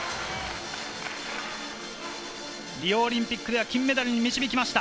リオオリンピックでは金メダルに導きました。